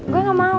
gue gak mau